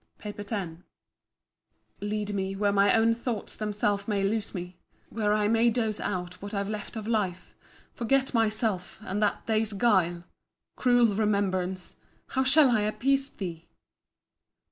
PAPER X Lead me, where my own thoughts themselves may lose me; Where I may dose out what I've left of life, Forget myself, and that day's guile!—— Cruel remembrance!——how shall I appease thee?